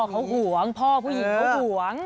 เขาห่วงพ่อผู้หญิงเขาห่วง